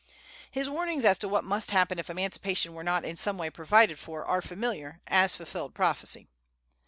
His warnings as to what must happen if emancipation were not in some way provided for are familiar, as fulfilled prophecy.